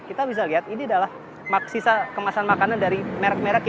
kita bisa lihat ini adalah sisa kemasan makanan dari merk merk lainnya